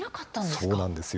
そうなんです。